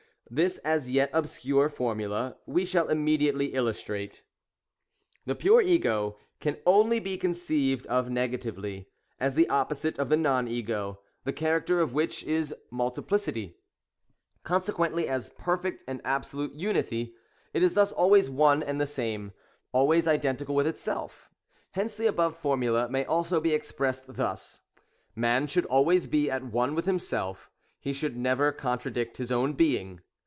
This as yet obscure formula, we shall immediately illustrate. The pwe Ego can only be conceived of negatively, — as the opposite of the Non Ego, the character of which is THE ABSOLUTE VOCATION OF MAX. 2 1 multiplicity, — consequently as perfect and absolute Unity ;— it is thus always one and the same, — always identical with itself. Hence the above formula may also be expressed thus, — Man should always be at one with himself, — he should never contradict his own being.